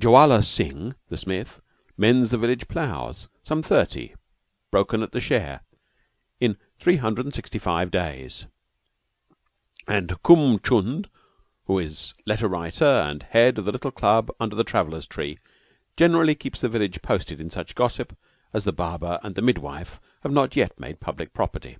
Jowala Singh, the smith, mends the village plows some thirty, broken at the share, in three hundred and sixty five days; and Hukm Chund, who is letter writer and head of the little club under the travellers' tree, generally keeps the village posted in such gossip as the barber and the mid wife have not yet made public property.